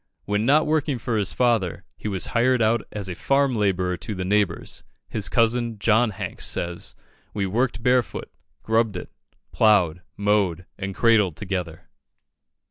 When not working for his father, he was hired out as a farm labourer to the neighbours. His cousin, John Hanks, says "We worked barefoot, grubbed it, ploughed, mowed, and cradled together."